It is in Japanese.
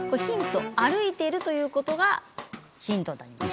歩いているということがヒントになります。